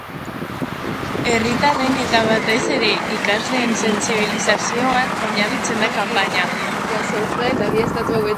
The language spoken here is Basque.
Herritarren, eta batez ere, ikasleen sentsibilizazioan oinarritzen da kanpaina.